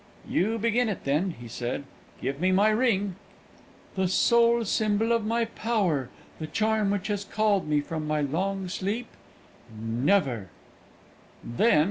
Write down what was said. "You begin it, then," he said. "Give me my ring." "The sole symbol of my power! the charm which has called me from my long sleep! Never!"